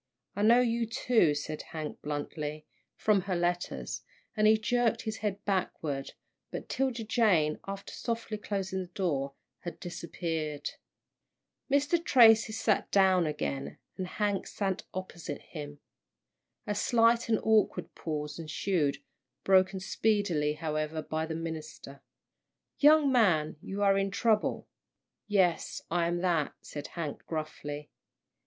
"I know you, too," said Hank, bluntly, "from her letters," and he jerked his head backward, but 'Tilda Jane, after softly closing the door, had disappeared. Mr. Tracy sat down again, and Hank sat opposite him. A slight and awkward pause ensued, broken speedily, however, by the minister. "Young man, you are in trouble." "Yes, I am that," said Hank, gruffly.